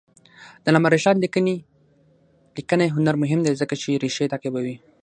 د علامه رشاد لیکنی هنر مهم دی ځکه چې ریښې تعقیبوي.